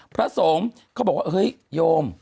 พระสงฆ์เขาบอกว่าเฮ้ยโยม